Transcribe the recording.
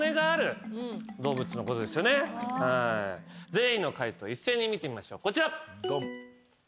全員の解答一斉に見てみましょうこちら。